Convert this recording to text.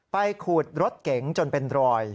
ขูดรถเก๋งจนเป็นรอย